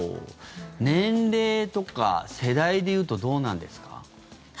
年齢とか世代でいうとどうなんですか？